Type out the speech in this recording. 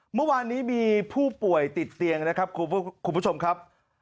เมื่อวานนี้มีผู้ป่วยติดเตียงนะครับคุณผู้ชมครับ